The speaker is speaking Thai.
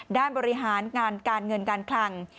ด้านบริหารการเงินการคลั่ง